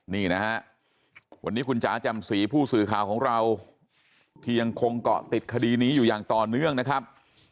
นี่นะฮะวันนี้คุณจ๋าจำศรีผู้สื่อข่าวของเราที่ยังคงเกาะติดคดีนี้อยู่อย่างต่อเนื่องนะครับ